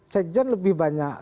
sekjen lebih banyak